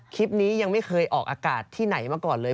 คลิปนี้ยังไม่เคยออกอากาศที่ไหนมาก่อนเลย